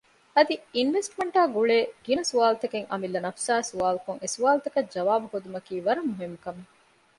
އަދި އިންވެސްޓްމަންޓާ ގުޅޭ ގިނަ ސުވާލުތަކެއް އަމިއްލަ ނަފުސާއި ސުވާލުކޮށް އެސުވާލުތަކަށް ޖަވާބު ހޯދުމަކީ ވަރަށް މުހިންމު ކަމެއް